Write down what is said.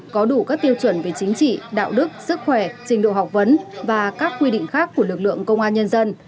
có đủ các tiêu chuẩn về chính trị đạo đức sức khỏe trình độ học vấn và các quy định khác của lực lượng công an nhân dân